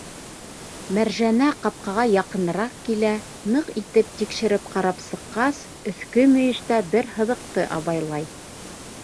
Мәржәнә ҡапҡаға яҡыныраҡ килә, ныҡ итеп тикшереп ҡарап сыҡҡас, өҫкө мөйөштә бер һыҙыҡты абайлай.